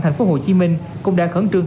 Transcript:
thành phố hồ chí minh cũng đã khẩn trương